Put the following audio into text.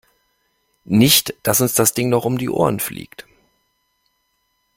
Nicht, dass uns das Ding noch um die Ohren fliegt.